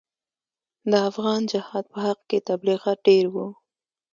د افغان جهاد په حق کې تبلیغات ډېر وو.